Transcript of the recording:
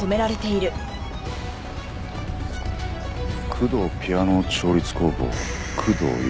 「工藤ピアノ調律工房工藤由美」